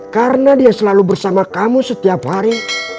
karena dia selalu bersama kamu setiap hari